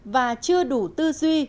và chưa đủ tư duy